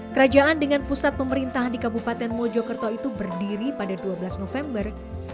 kerajaan dengan pusat pemerintahan di kabupaten mojokerto itu berdiri pada dua belas november seribu sembilan ratus empat puluh